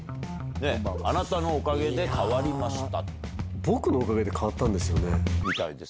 「あなたのおかげで変わりました」。